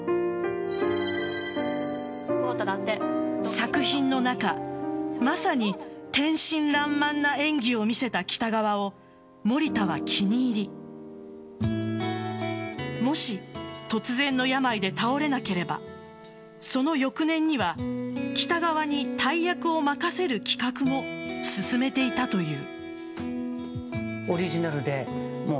作品の中まさに天真爛漫な演技を見せた北川を森田は気に入りもし、突然の病で倒れなければその翌年には北川に大役を任せる企画も進めていたという。